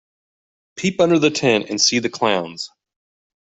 Peep under the tent and see the clowns.